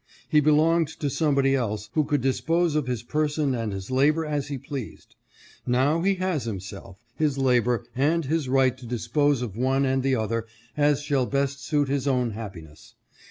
He belonged to somebody else, who could dispose of his person and his labor as he pleased. Now he has himself, his labor, and his right to dispose of one and the other as shall best suit his own happiness.